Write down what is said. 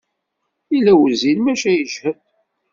Yella wezzil, maca yejhed.